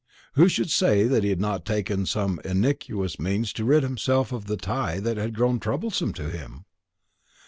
Who should say that he had not taken some iniquitous means to rid himself of the tie that had grown troublesome to him?